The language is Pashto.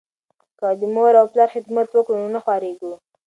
که د مور او پلار خدمت وکړو نو نه خواریږو.